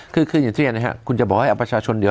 คืออย่างที่เรียนนะครับคุณจะบอกให้เอาประชาชนเดี๋ยว